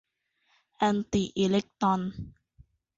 แอนติอิเล็กตรอน